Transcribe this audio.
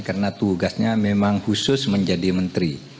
karena tugasnya memang khusus menjadi menteri